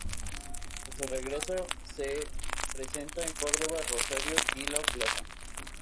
A su regreso se presenta en Córdoba, Rosario y La Plata.